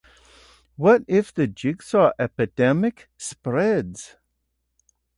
What if the jigsaw epidemic spreads?